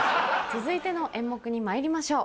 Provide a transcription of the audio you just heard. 続いての演目にまいりましょう。